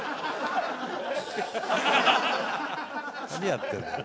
何やってんだよ。